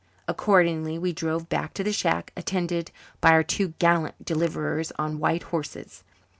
Accordingly we drove back to the shack, attended by our two gallant deliverers on white horses.